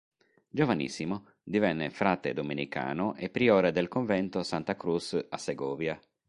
Giovanissimo, divenne frate domenicano e priore del convento "Santa Cruz" a Segovia.